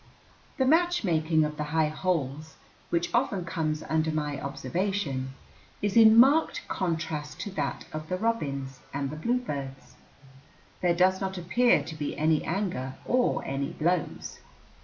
The matchmaking of the high holes, which often comes under my observation, is in marked contrast to that of the robins and the bluebirds. There does not appear to be any anger or any blows.